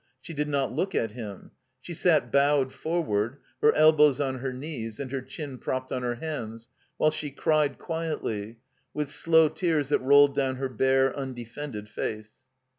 She did not look at him. She sat bowed forward, her elbows on her knees, and her chin propped on her hands, while she cried, quietly, with slow tears that rolled down her bare, tmdefended face.